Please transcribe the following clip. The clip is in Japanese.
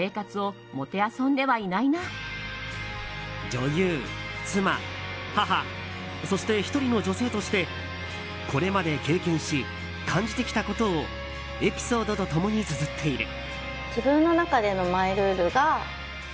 女優、妻、母そして１人の女性としてこれまで経験し感じてきたことをエピソードと共につづっている。